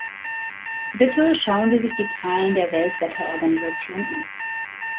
Bitte schauen Sie sich die Zahlen der Weltwetterorganisation an.